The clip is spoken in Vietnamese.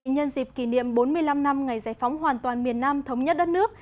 nhân dịp kỷ niệm bốn mươi năm năm ngày giải phóng hoàn toàn miền nam thống nhất đất nước